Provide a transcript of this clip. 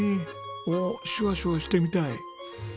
おっシュワシュワしてみたい。